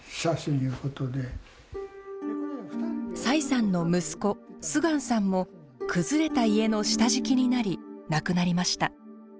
崔さんの息子秀光さんも崩れた家の下敷きになり亡くなりました。